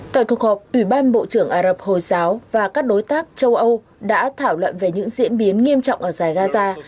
tại cuộc họp ủy ban bộ trưởng ả rập hồi giáo và các đối tác châu âu đã thảo luận về những diễn biến nghiêm trọng ở giải gaza